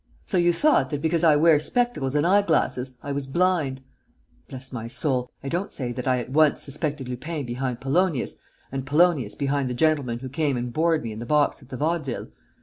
So you thought that, because I wear spectacles and eye glasses, I was blind? Bless my soul, I don't say that I at once suspected Lupin behind Polonius and Polonius behind the gentleman who came and bored me in the box at the Vaudeville.